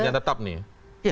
pemberhentian tetap nih ya